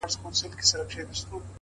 د لرې ښار رڼاګانې د خیال فاصله لنډوي’